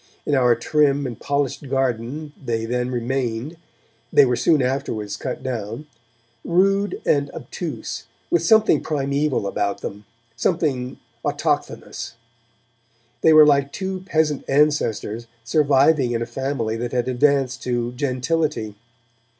In our trim and polished garden they then remained they were soon afterwards cut down rude and obtuse, with something primeval about them, something autochthonous; they were like two peasant ancestors surviving in a family that had advanced to gentility.